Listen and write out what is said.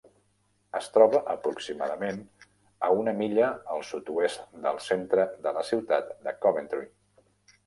Es troba aproximadament a una milla al sud-oest del centre de la ciutat de Coventry.